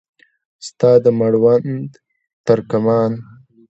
ستا د مړوند ترکمان